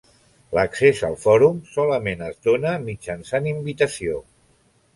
L'accés al fòrum solament es dóna mitjançant invitació.